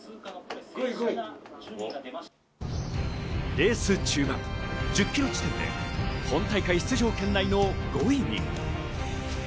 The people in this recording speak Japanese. レース中盤１０ｋｍ地点で本大会出場圏内の５位に。